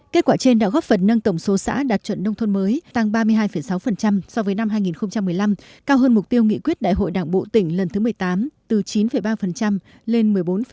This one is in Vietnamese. kết quả trên đã góp phần nâng tổng số xã đạt chuẩn nông thôn mới tăng ba mươi hai sáu so với năm hai nghìn một mươi năm cao hơn mục tiêu nghị quyết đại hội đảng bộ tỉnh lần thứ một mươi tám từ chín ba lên một mươi bốn năm